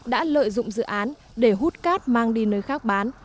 đã lợi dụng dự án để hút cát mang đi nơi khác bán